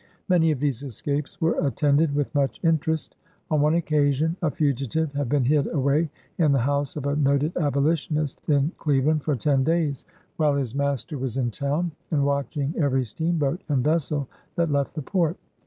Many of these escapes were attended with much interest. On one occasion, a fugitive had been hid away in the house of a noted Abolitionist in Cleveland for ten days, while AN AMERICAN BONDMAN. 51 his master was in town, and watching every steamboat and vessel that left the port.